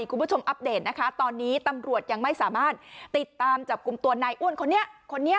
คุณผู้ชมอัปเดตนะคะตอนนี้ตำรวจยังไม่สามารถติดตามจับกลุ่มตัวในอ้วนคนนี้